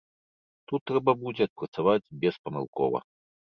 Тут трэба будзе адпрацаваць беспамылкова.